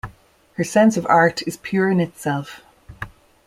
Her sense of Art is pure in itself.